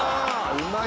うまい！